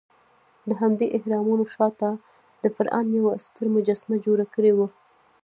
دهمدې اهرامونو شاته د فرعون یوه ستره مجسمه جوړه کړې وه.